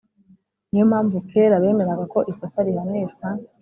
niyo mpamvu kera, bemeraga ko ikosa rihanishwa